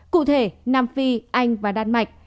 cụ thể nam phi anh và đan mạch